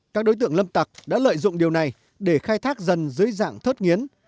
các đối tượng lâm tặc đã lợi dụng điều này để khai thác dần dưới dạng thớt nghiến